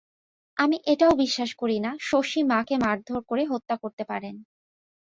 আমি এটাও বিশ্বাস করি না, শশী মাকে মারধর করে হত্যা করতে পারেন।